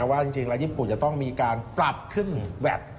ว่าจริงแล้วญี่ปุ่นจะต้องมีการปรับขึ้นแวด